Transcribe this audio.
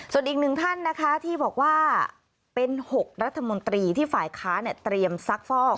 ส่วนอีกหนึ่งท่านนะคะที่บอกว่าเป็น๖รัฐมนตรีที่ฝ่ายค้าเตรียมซักฟอก